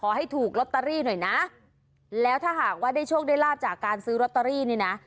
ขอให้ถูกลอตเตอรี่หน่อยนะแล้วถ้าหากว่าได้โชคได้ลาบจากการซื้อลอตเตอรี่นี่นะ